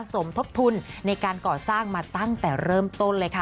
สมทบทุนในการก่อสร้างมาตั้งแต่เริ่มต้นเลยค่ะ